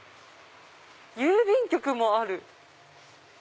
郵便局もある。